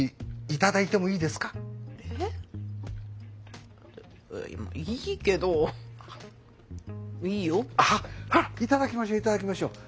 頂きましょう頂きましょう。